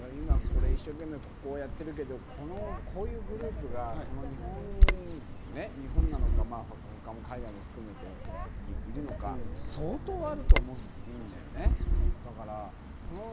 一生懸命やってるけど、こういうグループが日本なのか、海外も含めているのか、相当あると思うんですよね。